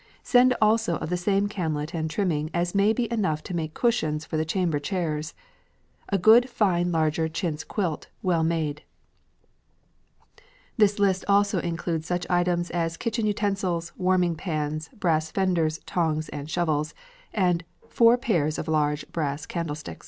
Send also of the same camlet and trimming as may be enough to make cushions for the chamber chairs. A good fine larger Chintz quilt, well made." This list also includes such items as kitchen utensils, warming pans, brass fenders, tongs, and shovels, and "four pairs of large Brass candlesticks."